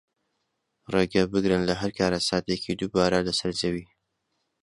ڕێگەبگرن لە هەر کارەساتێکی دووبارە لەسەر زەوی